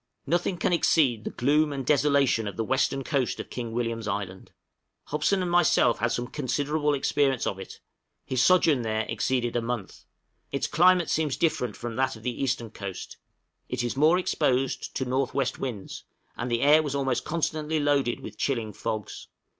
{GEOLOGICAL REMARKS.} Nothing can exceed the gloom and desolation of the western coast of King William's Island: Hobson and myself had some considerable experience of it; his sojourn there exceeded a month; its climate seems different from that of the eastern coast; it is more exposed to north west winds, and the air was almost constantly loaded with chilling fogs.